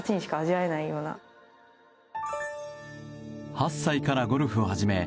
８歳からゴルフを始め